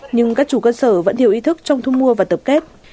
nhưng các chủ cơ sở vẫn thiếu ý thức trong thu mua và tập kết